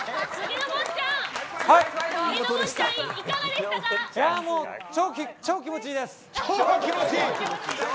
なんかもう超気持ち良いです。